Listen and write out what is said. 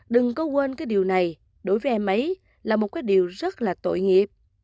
đừng có quên cái điều này đối với em ấy là một cái điều rất là tội nghiệp